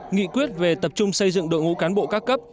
nghị quyết về tập trung xây dựng đội ngũ cán bộ các cấp